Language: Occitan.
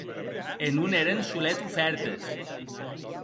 E non èren solet ofèrtes.